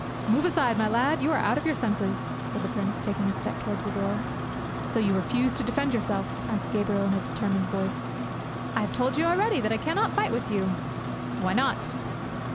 "Move aside, my lad; you are out of your senses," said the prince, taking a step towards the door. "So you refuse to defend yourself?" asked Gabriel in a determined voice. "I have told you already that I cannot fight with you." "Why not?"